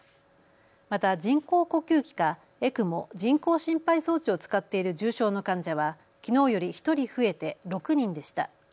また人工呼吸器かＥＣＭＯ・人工心肺装置を使っている重症の患者はきのうより１人増えて６人でした。